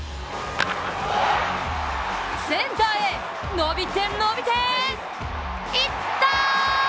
センターへ、伸びて、伸びていったー！